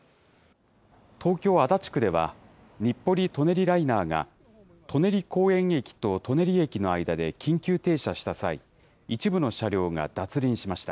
東京・足立区では、日暮里・舎人ライナーが、舎人公園駅と舎人駅の間で緊急停車した際、一部の車両が脱輪しました。